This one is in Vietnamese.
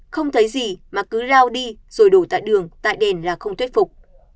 không thấy gì mà cứ lao đi rồi đổ tại đường tại đèn là không thuyết phục